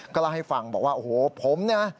ก็ละให้ฟังบอกว่าโอ้โฮผมนี่